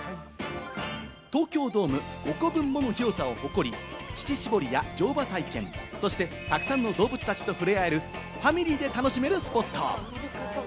東京ドーム５個分もの広さを誇り、乳搾りや乗馬体験、そしてたくさんの動物たちとふれ合える、ファミリーで楽しめるスポット。